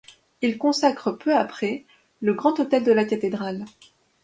Il consacre peu après le grand autel de la cathédrale.